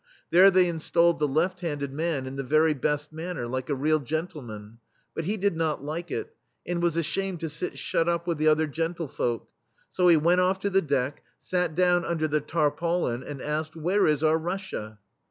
There they installed the left handed man in the very best manner, like a real gentleman; but he did not like it, and was ashamed to sit shut up with the other gentle folk; so he went off to the deck, sat down under the tarpaulin, and asked: "Where is our Russia?"